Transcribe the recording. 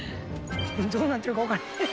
どうなってるか分からへん。